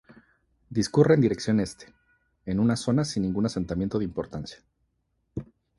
Discurre en dirección este, en una zona sin ningún asentamiento de importancia.